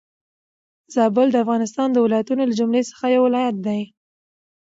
زابل د افغانستان د ولايتونو له جملي څخه يو ولايت دي.